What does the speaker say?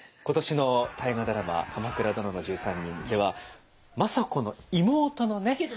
今年の大河ドラマ「鎌倉殿の１３人」では政子の妹のね